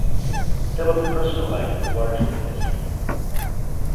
Philip's personal life is largely a mystery.